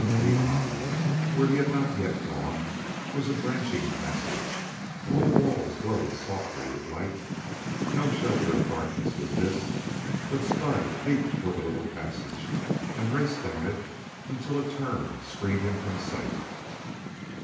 Beyond, where he had not yet gone, was a branching passage. All the walls glowed softly with light no shelter of darkness was his but Spud leaped for the little passage and raced down it until a turn screened him from sight.